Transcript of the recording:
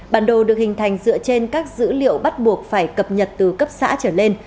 bản đồ được hình thành dựa trên các dữ liệu bắt buộc phải cập nhật từ cấp xã trở lên